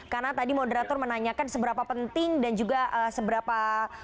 karena tadi moderator menanyakan seberapa penting dan juga seberapa